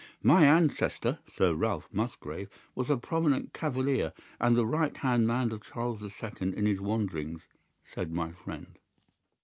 "'My ancestor, Sir Ralph Musgrave, was a prominent Cavalier and the right hand man of Charles the Second in his wanderings,' said my friend.